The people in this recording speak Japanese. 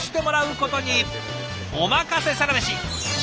「おまかせサラメシ」。